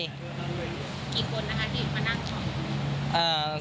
กี่คนที่มานั่ง